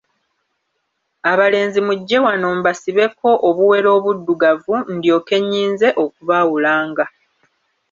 Abalenzi mujje wano mbasibeko obuwero obuddugavu, ndyokke nnyinze okubaawulanga.